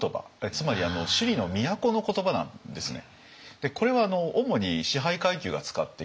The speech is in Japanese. つまり首里の都の言葉なんですね。